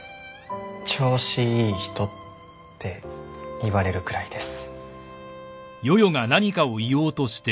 調子いい人って言われるくらいです。